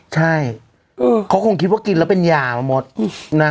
ใช่เขาคงคิดว่ากินแล้วเป็นยามาหมดนะ